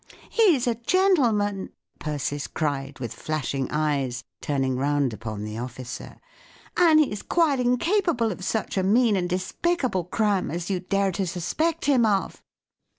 " He's a gentleman," Persis cried, with flashing eyes, turning round upon the officer ;" and he's quite incapable of such a mean and despicable crime asyoudare to suspect him of."